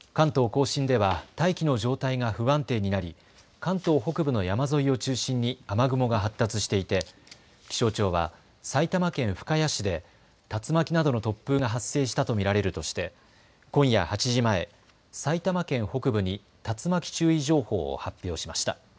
甲信では大気の状態が不安定になり、関東北部の山沿いを中心に雨雲が発達していて気象庁は埼玉県深谷市で竜巻などの突風が発生したと見られるとして今夜８時前、埼玉県北部に竜巻注意情報を発表しました。